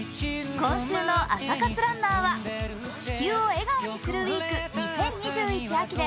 今週の朝活ランナーは、「地球を笑顔にするＷＥＥＫ２０２１秋で」